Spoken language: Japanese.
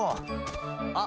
あっ！